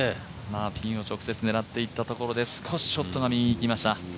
ピンを直接狙っていったところで少しショットが右に行きました。